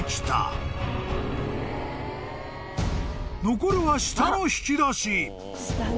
［残るは下の引き出し］